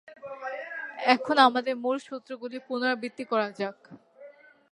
এখন আমাদের মূলসূত্রগুলির পুনরাবৃত্তি করা যাক।